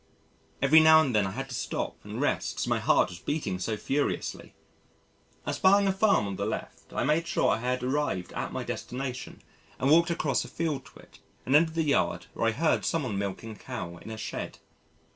Every now and then I had to stop and rest as my heart was beating so furiously. Espying a farm on the left I made sure I had arrived at my destination and walked across a field to it and entered the yard where I heard some one milking a cow in a shed.